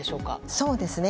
そうですね。